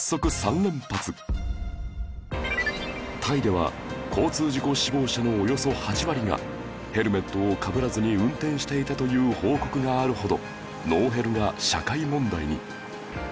タイでは交通事故死亡者のおよそ８割がヘルメットをかぶらずに運転していたという報告があるほどノーヘルが社会問題に